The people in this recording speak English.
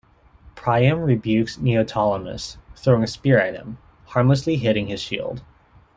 Priam rebukes Neoptolemus, throwing a spear at him, harmlessly hitting his shield.